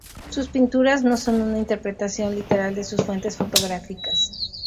Sus pinturas no son una interpretación literal de sus fuentes fotográficas.